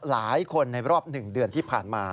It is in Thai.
หลายคนในรอบ๑เดือนที่ผ่านมา